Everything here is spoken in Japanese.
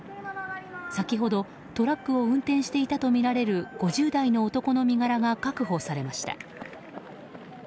先ほど、トラックを運転していたとみられる５０代の男の身柄が確保されました。